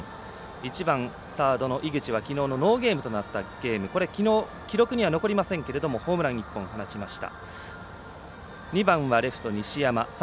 １番サードの井口はきのうのノーゲームとなったゲームできのう記録には残りませんけれどもホームラン１本を放ちました。